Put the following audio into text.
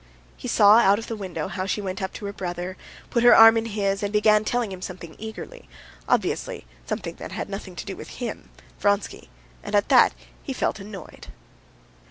He saw out of the window how she went up to her brother, put her arm in his, and began telling him something eagerly, obviously something that had nothing to do with him, Vronsky, and at that he felt annoyed.